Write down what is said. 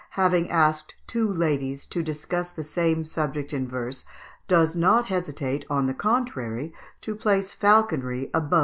having asked two ladies to discuss the same subject in verse, does not hesitate, on the contrary, to place falconry above venery.